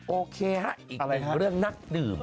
โอเคฮะอีกหนึ่งเรื่องนักดื่ม